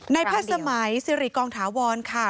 ในพระสมัยซิริกองถาวรค่ะ